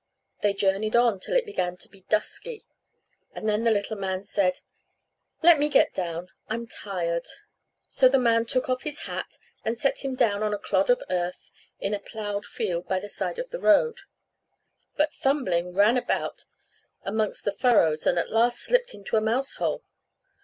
They journeyed on till it began to be dusky, and then the little man said, "Let me get down, I'm tired." So the man took off his hat and set him down on a clod of earth in a ploughed field by the side of the road, But Thumbling ran about amongst the furrows, and at last slipped into a mouse hole.